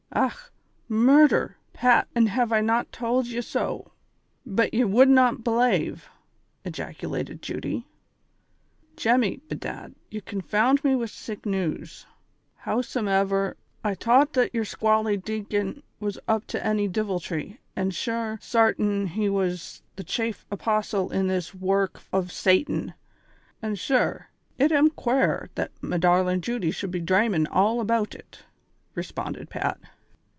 " Och, murdher, Pat, an' have I not tould ye so, but ye would not belave," ejaculated Judy. "Jemmy, bedad, ye confound me Avid sich news; how somever, I tought tluit yer squally dacon was up to any diviltry, an' shure, sartin he was the chafe apostle in this work ov Satin ; an' shure, it am quare that me darlin' Judy should be drameing all aboot it," responded Pat.